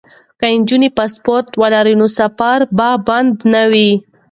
که نجونې پاسپورټ ولري نو سفر به بند نه وي.